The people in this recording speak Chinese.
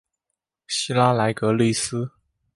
希拉莱格利斯。